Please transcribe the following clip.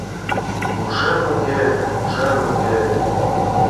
Ушем уке, ушем уке